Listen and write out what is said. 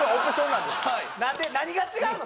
なんで何が違うの？